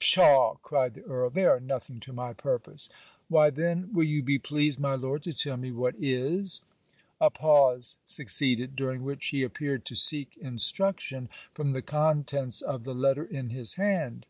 'Psha,' cried the Earl, 'they are nothing to my purpose.' 'Why then, will you be pleased, my Lord, to tell me what is?' A pause succeeded, during which he appeared to seek instruction from the contents of the letter in his hand.